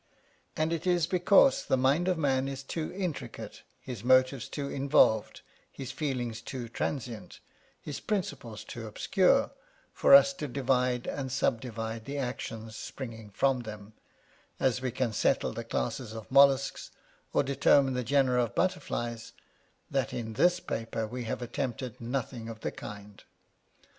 And it is because the mind of man is too intricate, his motives too involved, his feelings too transient, his principles too obscure, for us to divide and sub divide the actions springing from them, as we can settle the classes of molluscs, or determine the genera of butterflies, — that in this paper we have attempted nothing of the kind.